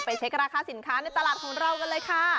เช็คราคาสินค้าในตลาดของเรากันเลยค่ะ